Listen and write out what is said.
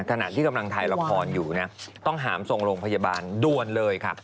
ขณะที่กำลังถ่ายละครอยู่นะต้องหามส่งโรงพยาบาลด่วนเลยครับ